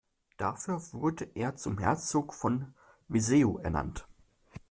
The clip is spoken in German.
Dafür wurde er zum Herzog von Viseu ernannt.